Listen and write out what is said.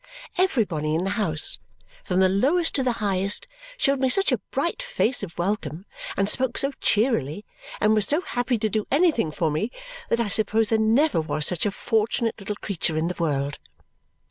Everybody in the house, from the lowest to the highest, showed me such a bright face of welcome, and spoke so cheerily, and was so happy to do anything for me, that I suppose there never was such a fortunate little creature in the world.